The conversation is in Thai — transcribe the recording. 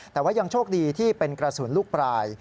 แต่ว่ายังโชคดีที่เป็นกระสุนลูกปลาย